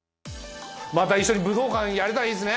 また一緒に武道館やれたらいいっすね。